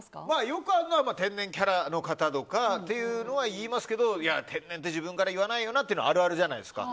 よくあるのは天然キャラの方とかは言いますけど天然って自分から言わないよなっていうのはあるあるじゃないですか。